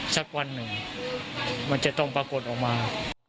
สักวันหนึ่งมันจะต้องปรากฏออกมา